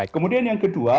kemudian yang kedua